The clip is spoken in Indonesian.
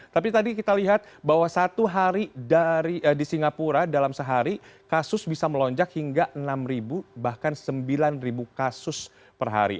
tapi tadi kita lihat bahwa satu hari di singapura dalam sehari kasus bisa melonjak hingga enam bahkan sembilan kasus per hari